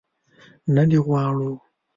نه دې غواړو.